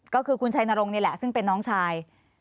ก็คือคุณชัยนรงค์นี่แหละซึ่งเป็นน้องชาย